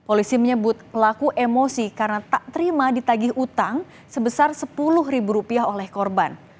polisi menyebut pelaku emosi karena tak terima ditagih utang sebesar sepuluh ribu rupiah oleh korban